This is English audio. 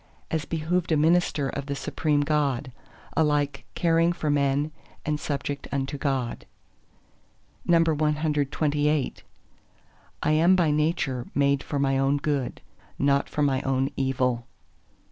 As behoved a minister of the Supreme God, alike caring for men and subject unto God. CXXIX I am by Nature made for my own good; not for my own evil.